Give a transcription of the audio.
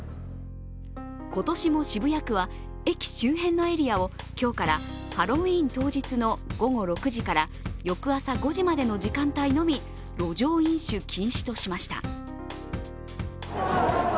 今年も渋谷区は駅周辺のエリアを今日からハロウィーン当日の午後６時から翌朝５時までの時間帯のみ路上飲酒禁止としました。